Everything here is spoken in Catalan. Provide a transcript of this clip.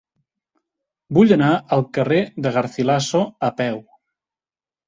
Vull anar al carrer de Garcilaso a peu.